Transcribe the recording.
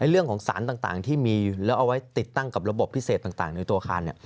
เรื่องของสารต่างที่มีแล้วเอาไว้ติดตั้งกับระบบพิเศษต่างในตัวอาคาร